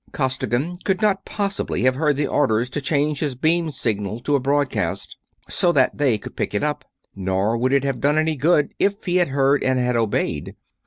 Costigan could not possibly have heard the orders to change his beam signal to a broadcast, so that they could pick it up; nor would it have done any good if he had heard and had obeyed.